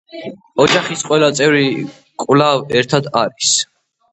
ოჯახის ყველა წევრი კვლავ ერთად არის.